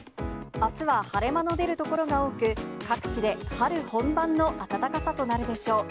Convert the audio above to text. あすは晴れ間の出る所が多く、各地で春本番の暖かさとなるでしょう。